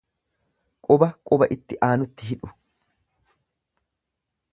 Quba quba itti aanutti hidhu.